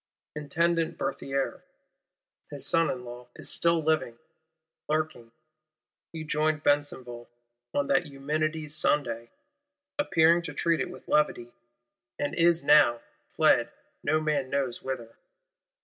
Intendant Berthier, his son in law, is still living; lurking: he joined Besenval, on that Eumenides' Sunday; appearing to treat it with levity; and is now fled no man knows whither.